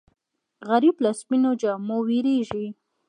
غریب له سپینو جامو وېرېږي